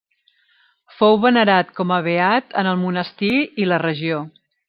Fou venerat com a beat en el monestir i la regió.